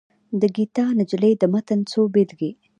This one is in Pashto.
د ګیتا نجلي د متن څو بېلګې.